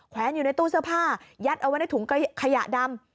อยู่ในตู้เสื้อผ้ายัดเอาไว้ในถุงขยะดำ